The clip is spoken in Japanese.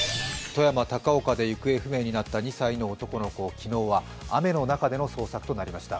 富山・高岡市で行方不明になった２歳の男の子、昨日は雨の中での捜索となりました。